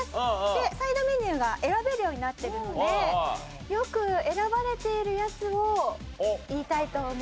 でサイドメニューが選べるようになってるのでよく選ばれているやつを言いたいと思います。